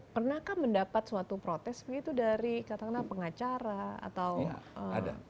pernahkah mendapat suatu protes begitu dari katakanlah pengacara atau